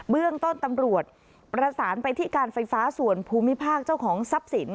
เรื่องต้นตำรวจประสานไปที่การไฟฟ้าส่วนภูมิภาคเจ้าของทรัพย์สิน